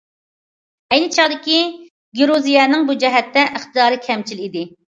ئەينى چاغدىكى گىرۇزىيەنىڭ بۇ جەھەتتە ئىقتىدارى كەمچىل ئىدى.